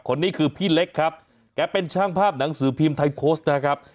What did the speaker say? คนนี้คือพี่เล็กครับแกเป็นช่างภาพหนังสือพิมพ์ไทยโค้ชนะครับ